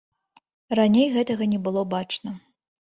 Раней гэтага не было бачна.